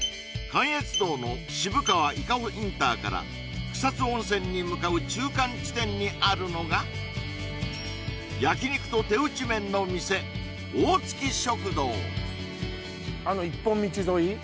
関越道の渋川伊香保インターから草津温泉に向かう中間地点にあるのが焼肉と手打ち麺の店あの一本道沿い？